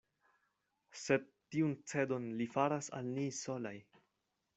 Sed tiun cedon li faras al ni solaj.